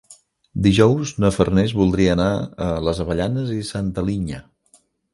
Dijous na Farners voldria anar a les Avellanes i Santa Linya.